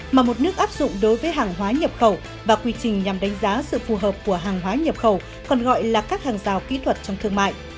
mà một nước áp dụng đối với hàng hóa nhập khẩu và quy trình nhằm đánh giá sự phù hợp của hàng hóa nhập khẩu còn gọi là các hàng rào kỹ thuật trong thương mại